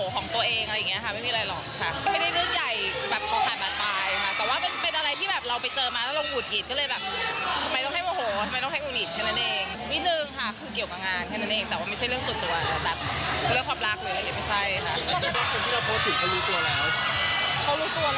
ก็เลยแบบทำไมต้องให้โมโห